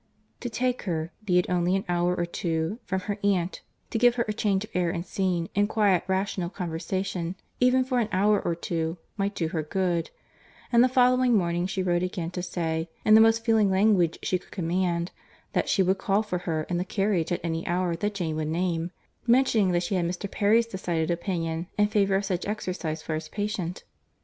To take her—be it only an hour or two—from her aunt, to give her change of air and scene, and quiet rational conversation, even for an hour or two, might do her good; and the following morning she wrote again to say, in the most feeling language she could command, that she would call for her in the carriage at any hour that Jane would name—mentioning that she had Mr. Perry's decided opinion, in favour of such exercise for his patient.